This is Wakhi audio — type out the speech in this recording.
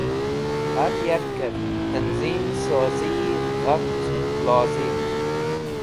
Har Yarker Tanzim Soziyi ghafch Lozim